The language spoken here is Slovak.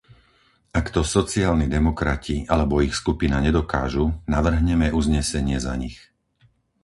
Ak to sociálni demokrati alebo ich skupina nedokážu, navrhneme uznesenie za nich.